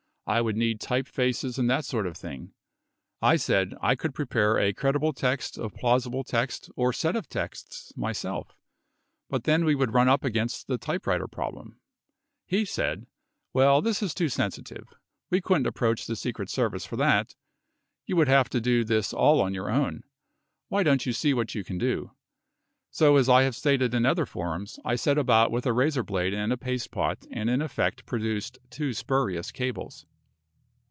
I would need type faces and that sort of thing." I said, "I could prepare a cred ible text of plausible text or set of texts myself, but then we would run up against the typewriter problem." He said, "Well this is too sensitive ; we couldn't approach the Secret Service for that. You would have to do this all on your own. Why don't you see what you can do." So as I have stated in other forums, I set about with a razor blade and a paste pot and in effect produced two spurious cables.